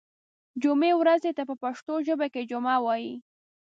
جمعې ورځې ته په پښتو ژبه کې جمعه وایی